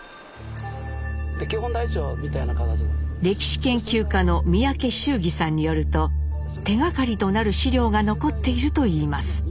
歴史研究家の三宅宗議さんによると手がかりとなる資料が残っているといいます。